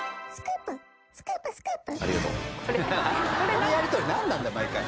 このやり取りなんなんだよ毎回。